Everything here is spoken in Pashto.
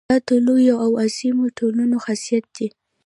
دا د لویو او عظیمو ټولنو خاصیت دی.